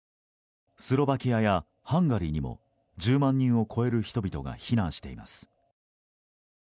スロバキアやハンガリーにも１０万人を超える人々が避難しています。